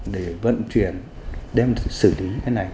để vận chuyển đem xử lý cái này